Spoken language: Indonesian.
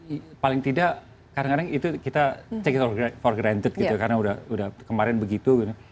ya paling tidak kadang kadang itu kita cek itu for granted gitu karena udah kemarin begitu gitu